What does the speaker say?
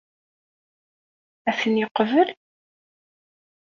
Ad ten-yeqbel?